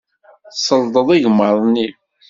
Tselḍeḍ igmaḍ-nni.